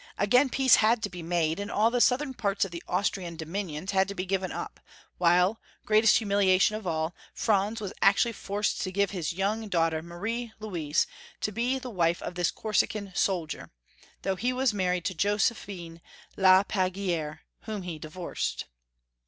Again peace had to be made, and all the southern parts of the Austrian dominions had to be given up, while, greatest humiliation of all, Franz actually was forced to give his young daughter Marie Louise to be the wife of this Cor sican soldier, though he was married to Josephine de la Pagerie, whom he divorced.